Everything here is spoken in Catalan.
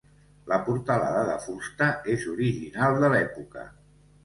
La portalada de fusta és original de l'època.